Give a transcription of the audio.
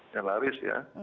yang laris ya